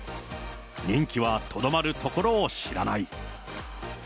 人気はとどまるところを知らない。